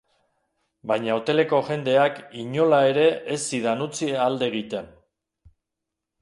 Baina hoteleko jendeak inola ere ez zidan utzi alde egiten.